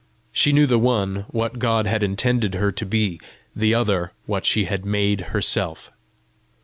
She knew the one what God had intended her to be, the other what she had made herself.